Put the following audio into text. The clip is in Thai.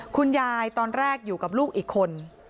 คุณยายตอนแรกอยู่กับลูกอีกคน